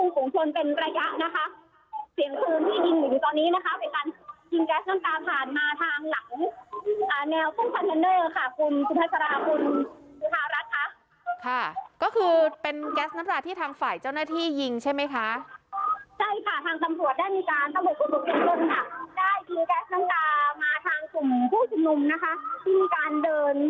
กลุ่มชนเป็นระยะนะคะเสียงปืนที่ยิงอยู่ตอนนี้นะคะเป็นการยิงแก๊สน้ำตาผ่านมาทางหลังอ่าแนวตู้คอนเทนเนอร์ค่ะคุณสุภาษาคุณจุธารัฐค่ะค่ะก็คือเป็นแก๊สน้ำตาที่ทางฝ่ายเจ้าหน้าที่ยิงใช่ไหมคะใช่ค่ะทางตำรวจได้มีการตำรวจควบคุมค่ะได้ยิงแก๊สน้ำตามาทางกลุ่มผู้ชุมนุมนะคะซึ่งการเดิน